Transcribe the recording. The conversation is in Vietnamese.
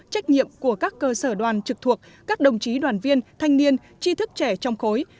trách nhiệm của các cơ sở đoàn trực thuộc các đồng chí đoàn viên thanh niên tri thức trẻ trong khối